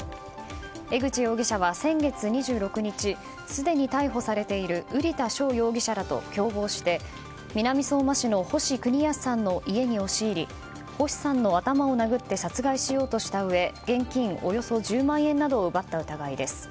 江口容疑者は先月２６日すでに逮捕されている瓜田翔容疑者らと共謀して南相馬市の星邦康さんの家に押し入り星さんの頭を殴って殺害しようとしたうえ現金およそ１０万円などを奪った疑いです。